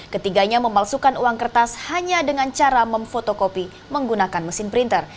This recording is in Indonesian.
ketiganya memalsukan uang kertas hanya dengan cara memfotokopi menggunakan mesin printer